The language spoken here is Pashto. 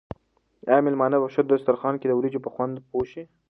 آیا مېلمانه به په دسترخوان کې د وریجو په خوند پوه شي؟